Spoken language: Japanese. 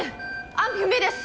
安否不明です！